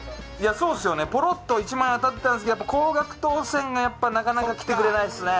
そうっすよねポロっと１万円当たったんですけど高額当せんがやっぱり、なかなか来てくれないですね。